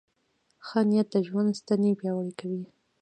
ښه نیت د ژوند ستنې پیاوړې کوي.